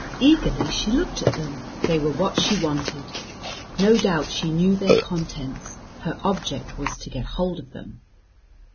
Eagerly she looked at them; they were what she wanted. No doubt she knew their contents; her object was to get hold of them.